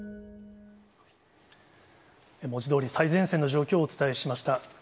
文字どおり、最前線の状況をお伝えしました。